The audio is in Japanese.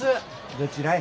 どちらへ？